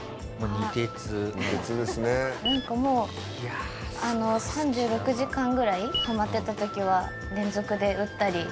なんかもう３６時間ぐらいハマってた時は連続で打ったり。